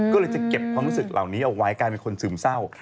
ก็เลยจะเก็บความรู้สึกเหล่านี้เอาไว้กลายเป็นคนซึมเศร้า